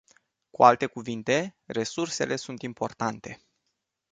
Cu alte cuvinte, resursele sunt importante.